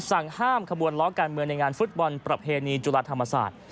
สั่งห้ามขบวนล้อการเมืองในงานฟุตบอลประเพณีจุฬาธรรมศาสตร์